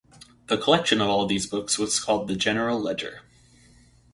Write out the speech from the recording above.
The collection of all these books was called the general ledger.